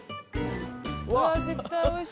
うわ絶対美味しい。